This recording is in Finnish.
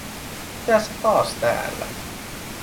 Mitä se taas täällä?